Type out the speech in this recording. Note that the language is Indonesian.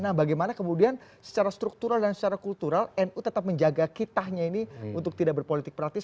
nah bagaimana kemudian secara struktural dan secara kultural nu tetap menjaga kitahnya ini untuk tidak berpolitik praktis